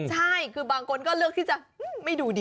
ใช่คือบางคนก็เลือกที่จะไม่ดูดิ